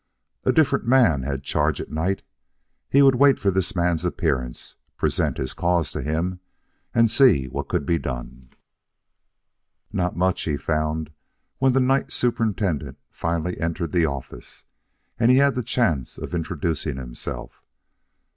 A different man had charge at night. He would wait for this man's appearance, present his cause to him and see what could be done. Not much, he found, when the night superintendent finally entered the office and he had the chance of introducing himself.